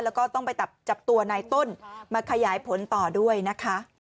แล้วก็ต้องไปจับตัวนายต้นมาขยายผลต่อด้วยนะคะ